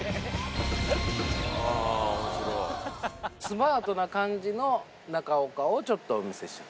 スマートな感じの中岡をちょっとお見せしよう。